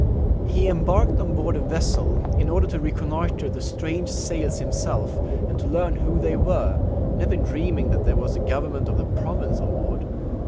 He embarked on board a vessel, in order to reconnoitre the strange sails himself, and to learn who they were, never dreaming that there was the governor of a province on board.